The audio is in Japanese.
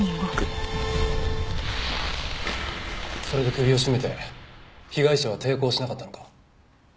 それで首を絞めて被害者は抵抗しなかったのか？